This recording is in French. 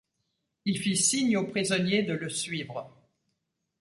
Il fit signe aux prisonniers de le suivre.